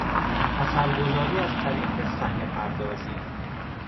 اثر گذاری از طریق صحنه پردازی